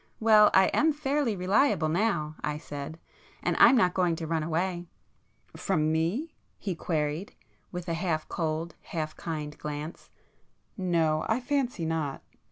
"Well, I am fairly reliable now"—I said—"And I'm not going to run away." "From me?" he queried, with a half cold half kind glance; "No,—I fancy not!"